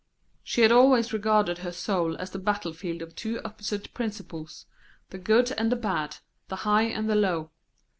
She had always regarded her soul as the battlefield of two opposite principles, the good and the bad, the high and the low.